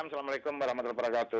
assalamualaikum warahmatullahi wabarakatuh